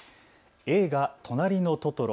映画となりのトトロ。